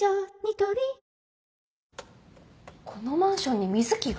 このマンションに瑞貴が？